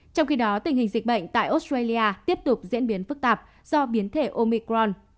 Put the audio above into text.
trong khi đó tình hình dịch bệnh tại australia tiếp tục diễn biến phức tạp do biến thể omicron